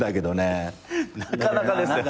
なかなかですよ。